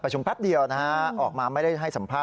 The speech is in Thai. แป๊บเดียวนะฮะออกมาไม่ได้ให้สัมภาษ